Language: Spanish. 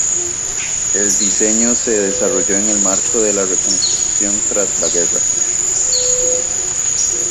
El diseño se desarrolló en el marco de la reconstrucción tras la guerra.